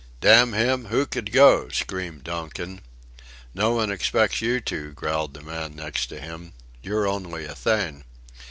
"Damn him, who could go?" screamed Donkin. "Nobody expects you to," growled the man next to him: "you're only a thing."